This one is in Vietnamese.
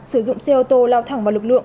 sử dụng xe ô tô lao thẳng vào lực lượng